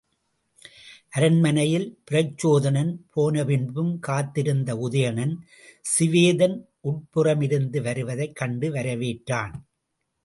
அரண்மனையில் பிரச்சோதனன் போனபின்பும் காத்திருந்த உதயணன், சிவேதன் உட்புறமிருந்து வருவதைக் கண்டு வரவேற்றான்.